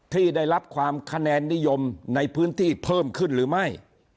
ที่ได้รับความคะแนนนิยมในพื้นที่เพิ่มขึ้นหรือไม่